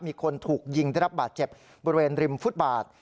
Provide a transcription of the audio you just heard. มีคนถูกยิงได้รับบาดเจ็บบริเวณริมฟุตบาท